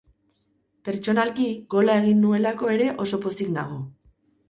Pertsonalki, gola egin nuelako ere oso pozik nago.